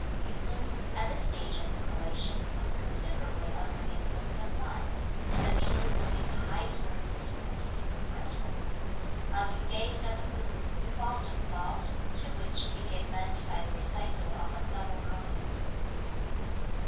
Yü ts'un, at this stage of the collation, was considerably under the influence of wine, and the vehemence of his high spirits was irrepressible. As he gazed at the moon, he fostered thoughts, to which he gave vent by the recital of a double couplet.